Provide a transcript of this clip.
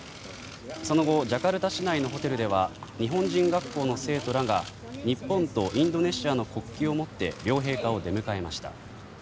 その後ジャカルタ市内のホテルでは日本人学校の生徒らが日本とインドネシアの国旗を持って両陛下を出迎えました。